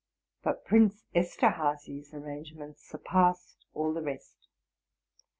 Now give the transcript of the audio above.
But Prince Esterhazy's arrangements surpassed all the rest.